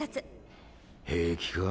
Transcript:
平気か？